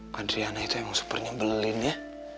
padriana itu emang super nyebelin ya